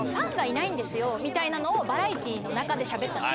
みたいなのをバラエティーの中でしゃべったんですよ。